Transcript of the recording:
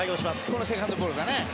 このセカンドボールがね。